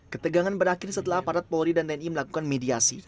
ketegangan berakhir setelah aparat polri dan tni melakukan mediasi